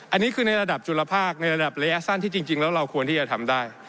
อันนี้คือในระดับจุลภาคในระดับระยะสั้นที่จริงแล้วเราควรที่จะทำได้